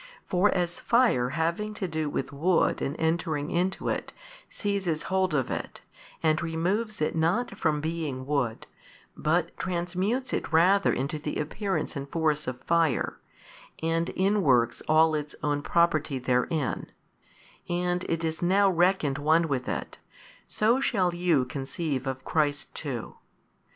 For as fire having to do with wood and entering into it, seizes hold of it, and removes it not from being wood, but transmutes it rather into the appearance and force of fire, and inworks all its own property therein, and it is now reckoned one with it, so shall you conceive of Christ too.